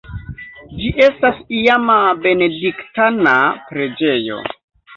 Ĝi estas iama benediktana preĝejo.